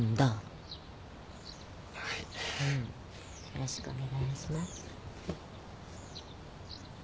よろしくお願いします。